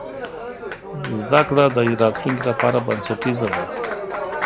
زده کړه د راتلونکي لپاره بنسټیزه ده.